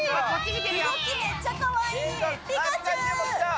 動き、めっちゃかわいい。